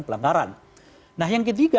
pelanggaran nah yang ketiga